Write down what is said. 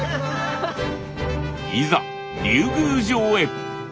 いざ竜宮城へ！